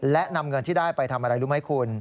และนำเงินที่ได้ไปทำอะไรรู้ไหมคุณ